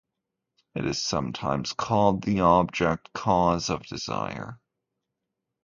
It is sometimes called the object cause of desire.